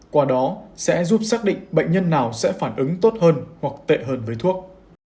qua đó sẽ giúp xác định bệnh nhân nào sẽ phản ứng tốt hơn hoặc tệ hơn với thuốc